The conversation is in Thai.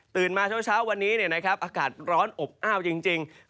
ตื่นมาเช้าวันนี้เนี่ยนะครับอากาศร้อนอบอ้าวจริง